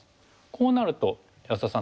こうなると安田さん